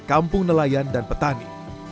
kampung nelayan dan petani